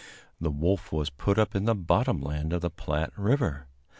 The wolf was put up in the bottom land of the Platte River.